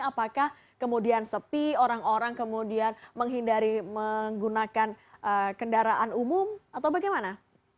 apakah kemudian sepi orang orang kemudian menghindari menggunakan kendaraan umum atau bagaimana